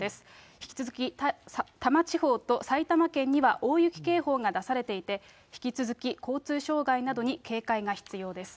引き続き多摩地方と埼玉県には大雪警報が出されていて、引き続き交通障害などに警戒が必要です。